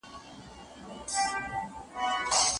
هیوادونه نړیوالو بدلونونو ته بې غبرګون نه پاته کيږي.